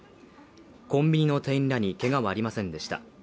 コンビニの店員らにけがはありませんでした。